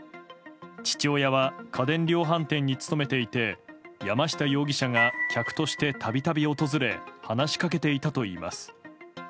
父親は家電量販店に勤めていて山下容疑者が客として度々訪れ話しかけていたといいます。